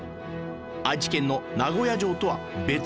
愛知県の名古屋城とは別の名護屋城